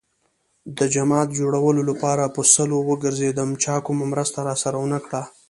د جماعت جوړولو لپاره په سلو وگرځېدم. چا کومه مرسته راسره ونه کړه.